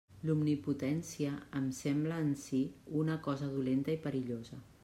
L'omnipotència em sembla en si una cosa dolenta i perillosa.